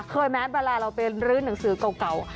แม้เวลาเราไปรื้อหนังสือเก่า